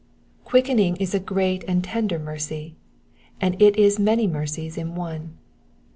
Quickening is a great and tender mercy ; and it is many mercies in one.